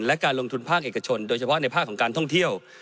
และการลงทุนภาคเอกชนโดยเฉพาะในภาคของการท่องเที่ยว